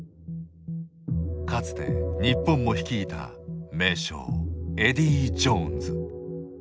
かつて日本も率いた名将エディー・ジョーンズ。